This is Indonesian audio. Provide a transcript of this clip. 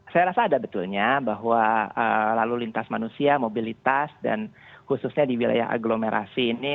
saya rasa ada betulnya bahwa lalu lintas manusia mobilitas dan khususnya di wilayah agglomerasi ini